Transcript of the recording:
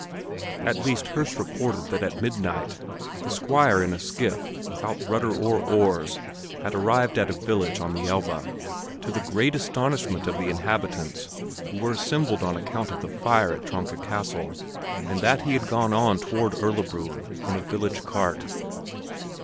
At least, Herse reported that at midnight the Squire in a skiff without rudder or oars had arrived at a village on the Elbe, to the great astonishment of the inhabitants who were assembled on account of the fire at Tronka Castle and that he had gone on toward Erlabrunn in a village cart.